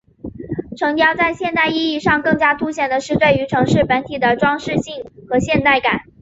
城雕在现代意义上更加凸显的是对于城市本体的装饰性和现代感。